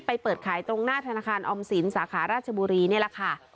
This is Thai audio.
เปิดขายตรงหน้าธนาคารออมสินสาขาราชบุรีนี่แหละค่ะ